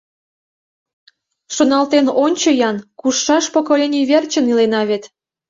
Шоналтен ончо-ян: кушшаш поколений верчын илена вет.